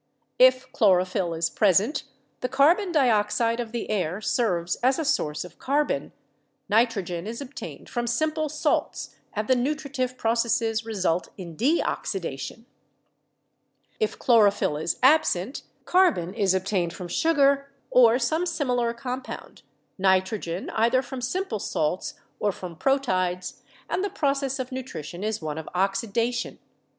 If chlorophyll is present, the carbon dioxide of the air serves as a source of carbon, nitrogen is obtained from simple salts and the nutritive processes result in deoxidation ; if chlorophyll is absent, carbon is obtained from sugar or some similar compound, nitrogen either from simple salts or from proteids, and the process of nutrition is one of oxidation.